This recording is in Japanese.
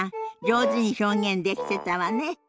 上手に表現できてたわね。